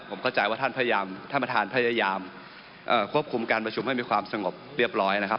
ผมเข้าใจว่าท่านพยายามท่านประธานพยายามควบคุมการประชุมให้มีความสงบเรียบร้อยนะครับ